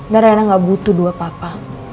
dan rena gak butuh dua papa